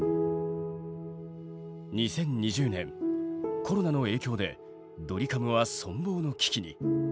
２０２０年コロナの影響でドリカムは存亡の危機に。